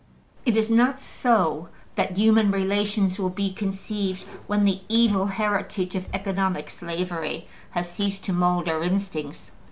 It is not so that human relations will be conceived when the evil heritage of economic slavery has ceased to mold our instincts.